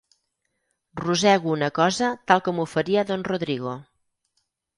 Rosego una cosa tal com ho faria don Rodrigo.